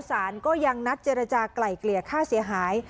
สารก็ยังนัดเจรจากลายเกลี่ยค่าเสียหาย